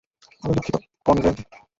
আমি দুঃখিত, কনরেড।